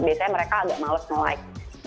biasanya mereka agak males nge like